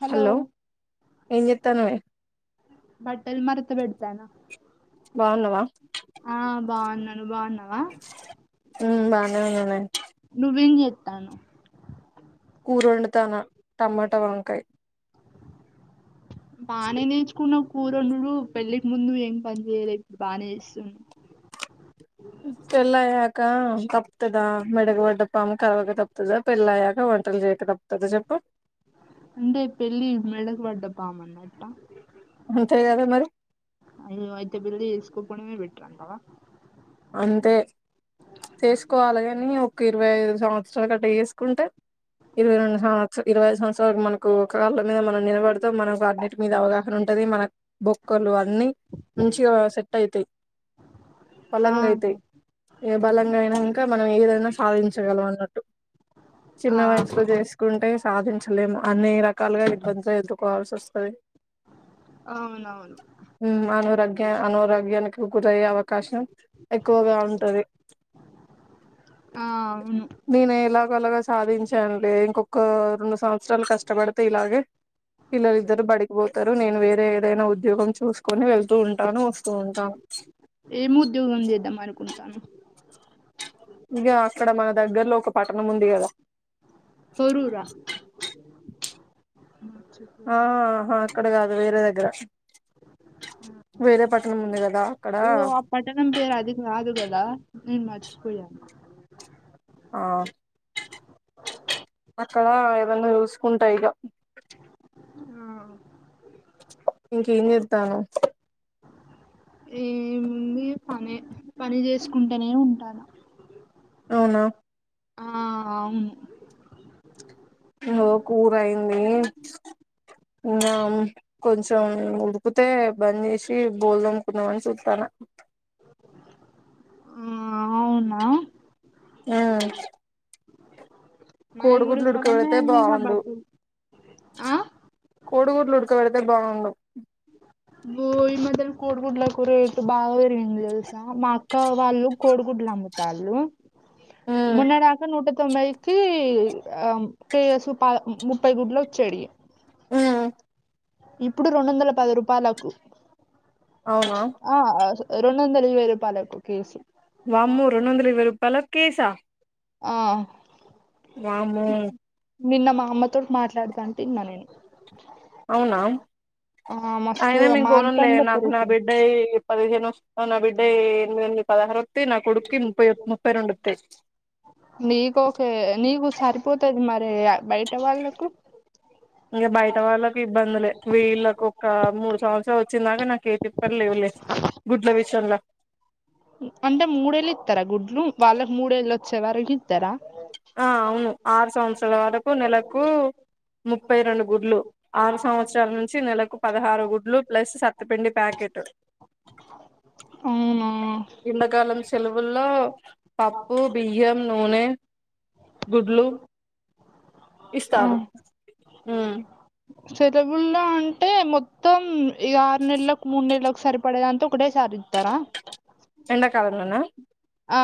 Hello ఏం చేత్తానవే బట్టలు మరతబెడుతూ బాగున్నావా ఆ బాగున్నాను బాగున్నా బానే ఉన్న అండి తాను కూరవండుతాన టమాట వంకాయ బానే నేర్చుకునావు కురోండుడు పెళ్ళికి ముందు ఏం పని చేయలే బాగానే చేస్తునా. పెళ్లి అయ్యాక తప్పుతాద మెడకి వడ్డ పాము కలవక తప్పుతుదా పెళ్ళి అయ్యాక వంటలు చేయక తప్తుందా చెప్పు. అంటే పెళ్ళి మెడకు పడ్డ పామన్నట్ట. అంతే కదా మరి అయ్యో అయితే పెళ్లిసుకోక పోతేనే బెటర్ అంటావా. అంతే చేసుకోవాలి కాని ఒక ఇరవై ఐదు సంవత్సరాలు గట్టా చేసుకుంటే ఇరవై రె ఇరవై సంవత్సర మనకు ఒక కళ్ళ మీద మనం నిలబడుతూ మనకు అన్నింటి మీద అవగాహన ఉంటది మన బొక్కలు అన్ని. మంచిగా సెట్ అయితాయి ఆ బలంగా అయితాయి ఏ బలంగా అయినా ఇంకా మనం ఏదైనా సాధించగలం అన్నట్టు. ఆ చిన్న వయసులో చేసుకుంటే సాధించలేము అన్ని రకాలుగా ఇబ్బందులు ఎదుకోవాల్సి వస్తుంది. అవునవును అనారోగ్య అనారోగ్యానికి గురయ్యే అవకాశం ఎక్కువగా ఉంటది. ఆ అవును నేను ఎలాగ అలగ సాధించాను లే ఇంకొక రెండు సంవత్సరాలు కష్టపడితే ఇలాగే. పిల్లలిద్దరు బడికి పోతారు నేను వేరే ఏదైనా ఉద్యోగం చూసుకొని వెళ్తూ ఉంటాను వస్తూ ఉంటాను. ఏం ఉద్యోగం చేద్దామ అనుకుంటానువు ఇగ అక్కడ మన దగ్గర్లో ఒక పట్టణం ఉంది కదా. పోరుర ఆహా అక్కడ కాదు వేరే దగ్గర వేరే పట్నం ఉంది కదా అక్కడ ఓ ఆ పట్టణం పేరు అది కాదు కదా నేను మరచిపోయను ఆ అక్కడ ఏదన్నా చూసుకుంటా ఇగ ఆ ఇంక ఎమ్ చేస్తన్నావ్. పని పని చేసుకుంటేనే ఉంటాన అవునా అవును ను కూర అయింది ఇగ కొంచెం ఉడికితే బంద్ చేసి బోల్దమ్కున్నాము అని చూతాన. అవునా ఉ నావి కూడా సగమ్నే అయినయిగా బట్లు కోడిగుడ్డులు ఉడకపెడితే బాగుండు బో ఈ మధ్యనా గుడ్లకు రేటు బాగా పెరిగింది తెలుసా మా వాళ్ళు కోడుగుడ్లు అమ్ముతాళ్లు ఉమ్ మొన్న దాకా నూట తొబ్భైకి ఆ పేసు పా ముప్పై గుడ్లు వచ్చేడివి ఉమ్ ఇప్పుడు రెండు వందల పది రూపాయలకు అవునా ఆ అసు రెండు వందల ఇరవై రూపాయాలకు కేసు వామ్మో రెండు వందల ఇరవై రూపాయల కేసా ఆ వామ్మో నిన్న మా అమ్మ తోటి మాట్లాడతంటే విన్నా నేను. అవునా ఆ మస్తు అయినా మీమ్ కోనంలే అమాంతంగా నాకు నా బిడ్డ పెరుగుతుంది ఇ పదిహేను వస్తును నా బిడ్డ ఎనిమిది పదహరు వత్తాయ్ నా కుడుక్కి ముప్పై ముప్పై రెండు వత్తాయ్. నీకు ఓకే నీకు సరిపోతది మరి బయట వాళ్ళకు ఇంకా బయట వాళ్ళకి ఇబ్బందులే వీళ్ళకు ఒక మూడు సంవత్సరాలు వచ్ వచ్చేదాకా నాకు ఏ పిప్పర్ లేవులే గుడ్లు విషయంలో. అంటే చే వరకు ఇత్తరా ఆ అవును ఆరు సంవత్సరాల వరకు నెలకు ముప్పై రెండు గుడ్లు ఆరు సంవత్సరాల నుంచి నెలకు పదహారు గుడ్లు ప్లస్ సత్తపిండి ప్యాకెటు. [inaudible] ఉ ఎండాకాలం సెలవుల్లో పప్పు బియ్యం నూనె గుడ్లు ఆ ఇస్తారు ఉ సెలవుల్లో అంటే మొత్తం ఈ ఆరు నెల్లకు మూడు నెలలకు సరిపడే అంతో ఇప్పుడే సార్ ఇత్తారా వునా ఆ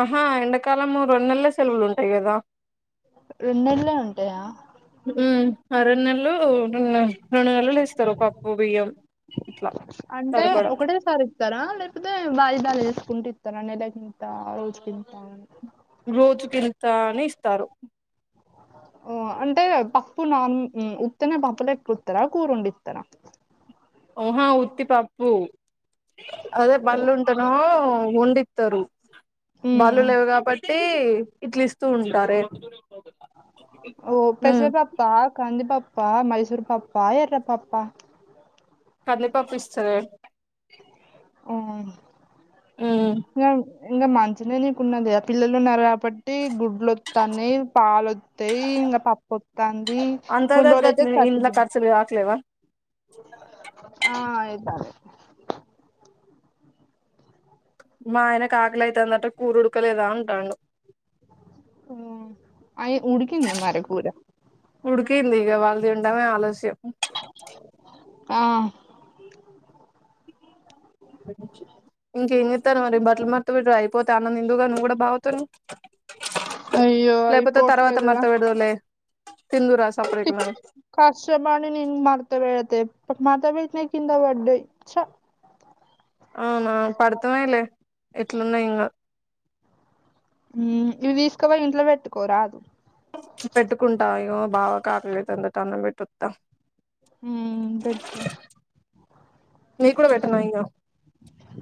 ఆహా ఎండాకాలము రెండు నెల్లె సెలవులు ఉంటాయి కదా. రెన్నేళ్లే ఉంటాయా ఉ ఆ రెండు నెల్లు [unintelligible] రెండు నెలలు ఇస్తారు పప్పు బియ్యం. ఇట్లా అంటే సరిపడా ఒకటే సారి ఇస్తారా లేకపోతే వాయిదాలు ఇస్త్ కుంటి ఇత్తార నెలకి కింత రోజ కింత అని రోజుకింత అని ఇస్తారు ఓ అంటే పప్పు నాన్ ఉత్తనే పప్పులెక్క వుత్తారా కూరొండి ఇత్తారా. ఓహో ఉత్తి పప్పు అదే బళ్ళు ఉంటానో వండి ఇత్తారు బళ్లు ఉమ్ లేవు కాబట్టి ఇట్లిస్తూ ఉంటారే. ఓ ఉమ్. పెసర పప్పా కంది పప్ ప్పా మైసూర్ పప్పా ఎర్ర పప్పా కందిపప్పు ఇస్తారు ఉ ఇంకా మంచి నీళ్ళు నీకున్నది ఆ పిల్లలు ఉన్నారు కాబ బట్టి గుడ్లు వత్తాన్నాయ్ పాలోత్తయ్ ఇంకా పప్పువొత్తానంది కులోడు అయితే ఇల ఖర్చలు కావట్లేవా ఆ ఇద్దామ్ లే మా ఆయనకు ఆకలైతాందఅట కూర్ ఉడకలేదా అంటాంఅండు అయి ఉడికింద మరి కూర కింది ఇగ వాళ్ తిండమే ఆలస్యం మ్ ఆ ఇంకేం చెస్తారు మరి బట్టలు మడ్త బేడ్తే అయిపోతే అన్నం తిందుగాని నువ్వు కూడా బావా తోనే అయ్యో అయి తర్వాత పోట్లేదుగా మడత పెడదువులే తిందువురా సప్పుడేక మరి కష్ట బడి నేను మడ్త బేడితే మర్త బెట్టినై కింద బడ్డాయి ఛా అవునా పడతమైలే ఇట్లు ఉన్నాయి ఇంగా ఇవి తీసుకోపో ఇంట్లో పెట్టుకోరాదు పెట్టుకుంటా ఇగో బావకు ఆకలైతంద అటా అన్నం పెట్టోత్తా మ్ పెట్టు నీకు కూడా పెట్టనా ఇగ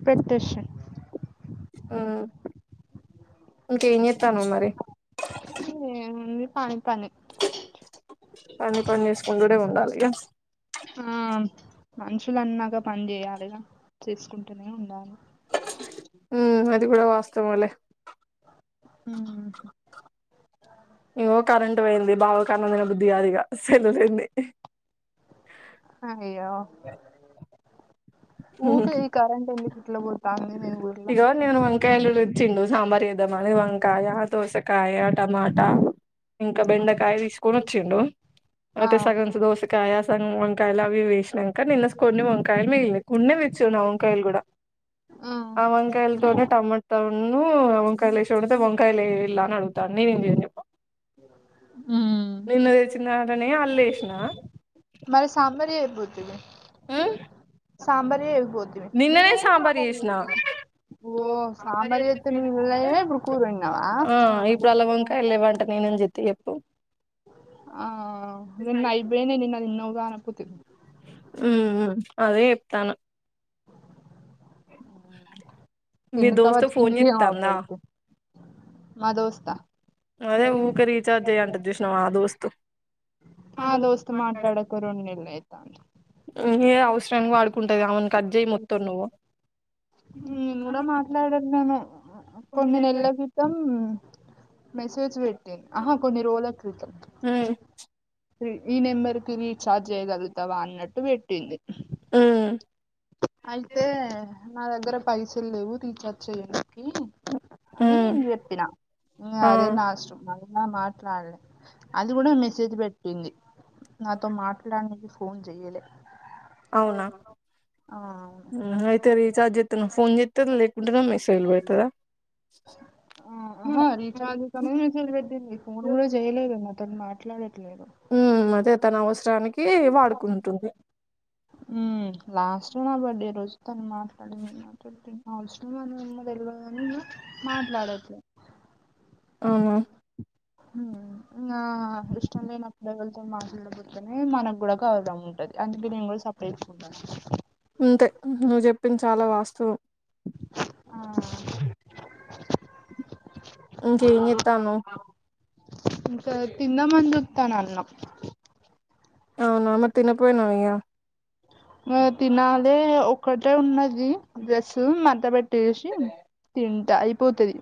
పేట్టేషయ్ ఆ ఇంకా ఎంచేత్తావమ్ మరి ఏముంది పని పని పనికొంచేసుకోండుడే ఉండాలి ఇగా ఆమ్ మనుషులు అన్నాక పని చేయాలిగా చేసుకుంటూనే ఉండాలి మ్ అది కూడా వాస్తవంమ్ లే ఊహు ఇంగో కరెంట్ పోయింది బావకి అన్నం తిన బుద్ధిగాదు ఇగ అస్సలు పోయింది అయ్యో ఊకే ఈ కరెంటు ఎల్లిక్ కిట్ల పో ఇగ నేను వంకాయలు రుచ్చిండు సాంబార్ ఏ దామ్ అని వంకాయ దొసక కాయ టమాటా ఇంకా బెండకాయ తీసుకొని వచ్చిఉండు ఆ అయితే సగమ్ కోసి కాయాస్ వంకాయలు అవి ఇవి ఏసినాక నిన్న కొన్ని వంకాయలు మిగిలిన కొన్నే వచ్చినామ్ వంకాయలు కూడా ఉమ్ ఆ వంకాయల్ కూడా టమోటా నవ్వు వంకాయలే ఏసి వండితే వంకాయలే ఇలానే అడుగుతావ్ అన్ని నేనేం చెప్పు నిన్ను తెచ్చినాడ అనే అళ్ళే ఏషినా మరి సామ్అడి అయిపోతు ఉంది ఆ సాంబారి అయిపోతు ఉంది. నిన్ననే సాంబారి చేసిన చేసుకున్నామ్ ఓ సాంబార్ చేత్తే [inaudible] ఇప్పుడుకూర్ వండినావా ఆ ఎమ్ జొత్తి జేప్పు ఆ నిన్న అయిబేనై నిన్న అది [inaudible] ఉ ఉ అదే ఎప్తానా మీ తిన్న దోస్త్ తర్వాత ఫోన్ ఇంకేం చేత్తా అందా అవుపడతాయి మా దోస్త అదే ఊకే రీచార్జ్ చేయ్యంటా అది చూసినావా దోస్త్ ఆ దోస్తత్ మాట్లాడక రుణెల్యియ్ ఏ అవసరానికి వాడుకుంట అది ఆవును కడ్ జేయి మొత్తం నువ్వు నేను కూడా ఉమ్ మాట్లాడట్లేను కొన్ని నెలల క్రితం మెసేజ్ పెట్ ఆహా కొన్ని రోల క్రితంమ్ ఈ నెంబర్ కి రీఛార్జ్ చేయ్యగలుగుతావా అన్న అట్టు పెట్టి ఇంది ఉమ్ అయితే నా దగ్గర పైసలు లేవు రీచార్జ్ చేయను అని ఉమ్ నేను చెప్పినా ఆ అదే లాస్ట్ నేను మాట్లాడలే అది కూడా మెసేజ్ పెట్టింది నాతో మాట్లాడనికి ఫోన్ చెయ్యలే అవునా ఆ అవును అయితే రీచార్జ్ [unintelligible] ఫోన్ [unintelligible] లేకుంటానే మెసేజ్ లు పెడతాడదా ఆహా రీచార్జ్ కేన్ మెసేజ్ పెట్టింది ఫోన్ కూడా చేయలే ఈమే తోని మాట్లాడను ఉమ్ అదే తన అవసరానికి వాడుకుంటుంది ఉమ్ లాస్ట్ నా బర్త్డే రోజు తను మాట్లాడింది నా తోటి అవసరం [unintelligible] [unintelligible] మాట్లాడదు ఆహా ఆహా ఇష్టం లేనపుడు ఎవరితో మాట్లాడకుండానే మనకు కూడా కా అందుకే నేను కూడా సపరేట్ అంతే నువ్వు చెప్పింది చాలా వాస్తవం ఆ ఇంకేం ఏం చేతనవ్ ఇకా తిందామని చూతాన అన్నం అవునా మరీ తిన పోయిన ఇగ ఆ తినాలే ఒక్కటే ఉన్నది డ్రెస్సు మడత పెట్టేసి తింటా అయిపోతుది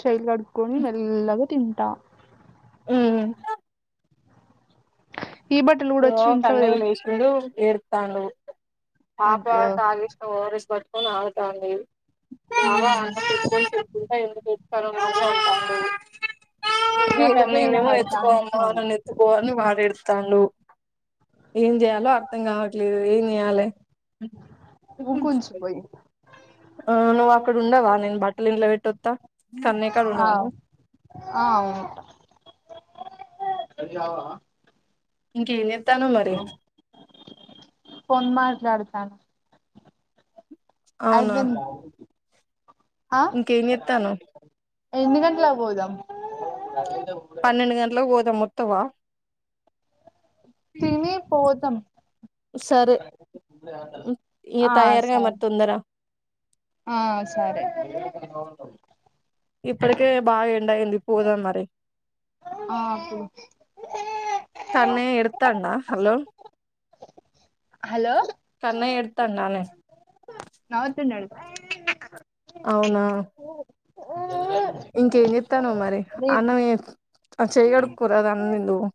చెయ్యి కడుకొని మెల్లగా తింటా ఊమ్ ఈ బట్టలు కూడా ఓ వచ్చి ఇంట్లో కన్నయ్య వదిలిపెట్ లేసినాడు ఏడుతాండు పాప అయ్యో తాగేసిన ఓఆర్ఎస్ పట్టుకొని ఆడుతాంది [unintelligible] [unintelligible] ఏడుపే నేనేమో వినపడతాంది ఎత్తుకోవమ్మా ఫోన్ నన్ను ఎత్తుకో వాడెడుతాండు ఏం చేయాలో అర్థం కావట్లేదు ఏం చేయాలి ఊ కొంచెం పోయి ఆ నువ్వు అక్కడ ఉండవా నేను బట్టలు ఇంట్లో పెట్టొత్త కన్నయ్యకడ ఆ ఉండవా నువ్వు ఆ ఉంటా ఇంకేం చేత్తన్నావ్ మరి ఫోన్ మాట్లాడతాను అవునా అయిపోయిందా ఇంకేం చేతనవ్ ఎన్ని గంటలా పోదాం పన్నెండు గంటలకు పోదా మొత్తవా తినీ పోదాం సరే ఇగ ఆ తయారుగా సరే మరి తొందర ఆ సరే ఇప్పటికే బాగా ఎండ అయింది పోదం మరి ఆ కన్నయ్య ఏడుతండా హలో హలో కన్నయ్య ఎడతాండానే [unintelligible] అ అవునా ఇంకేం చేతన్నావ్ మరి అదే అన్నమే ఆ చేయి కడుక్కోరాదు అన్నం తిందువు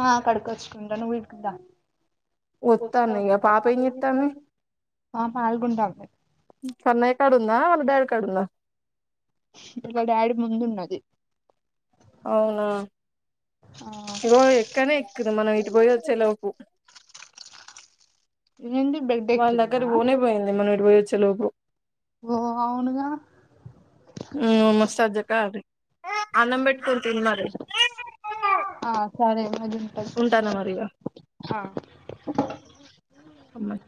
ఆ కడుకచ్చుకుంటా నువ్వు ఇంకా దా వత్తాన్న ఇగ పాప ఏం చేత్తాంది మా పాలు గుంటే అవ్వె ఉన్నావా మ డాడీ కదా ఉన్నావా ఇప్పుడు మా డాడి ముందు ఉన్నది అవునా ఆ ఇగో ఎక్కనే ఎక్కుది మనం పోయి వచ్చేలోపు ఏంది బెడ్ వాని దగ్గర ఎక్కిందా కి పోనే పోయింది మనం ఇటు పోయి వచ్చే లోపు ఓ అవునుగా మస్తు అద్దెకరం అన్నం పెట్టుకొని తిను మరి ఆ సరే నేను తింటా ఉంటానా మరి ఇగ ఆ సరే ఉన్నాయి